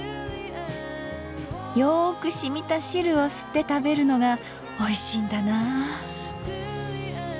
よくしみた汁を吸って食べるのがおいしいんだな。